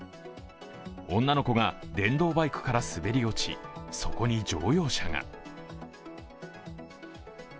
女の子が電動バイクから滑り落ち、そこに乗用車が。